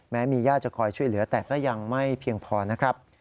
แม้มีญาติจะคอยช่วยเหลือแต่ก็ยังไม่เพียงพอนะครับ